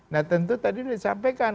nah tentu tadi sudah disampaikan